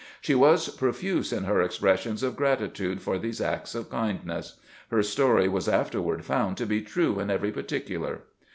She was profuse in her ex pressions of gratitude for these acts of kindness. Her story was afterward found to be true in every particular.